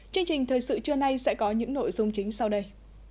chương trình thời sự trưa nay sẽ có những nội dung chính sau đây